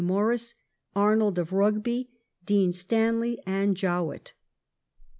Maurice, Arnold of Rugby, Dean Stanley, and Jowett.